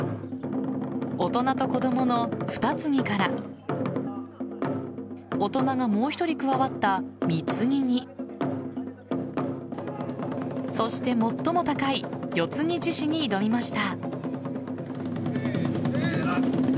大人と子供の二継ぎから大人がもう１人加わった三継ぎにそして、最も高い四継ぎ獅子に挑みました。